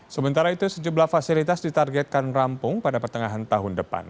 sementara itu sejumlah fasilitas ditargetkan rampung pada pertengahan tahun depan